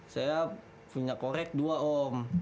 saya punya korek dua om